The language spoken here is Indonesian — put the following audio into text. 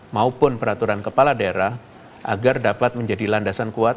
maupun peraturan kepala daerah agar dapat menjadi landasan kuat